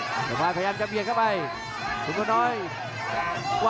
ต้องบอกว่าคนที่จะโชคกับคุณพลน้อยสภาพร่างกายมาต้องเกินร้อยครับ